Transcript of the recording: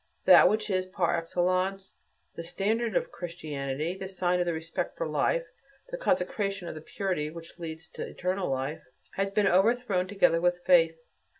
That which is, par excellence, the standard of Christianity, the sign of respect for life, the consecration of the purity which leads to eternal life, has been overthrown together with faith.